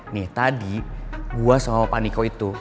nih tadi gue sama paniko itu